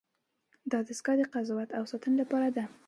دا دستگاه د قضاوت او ساتنې لپاره ده.